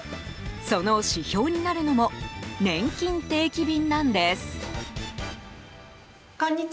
その指標になるのもねんきん定期便なんです。